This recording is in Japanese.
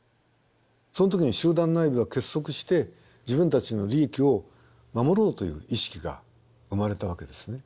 その時に集団内部は結束して自分たちの利益を守ろうという意識が生まれたわけですね。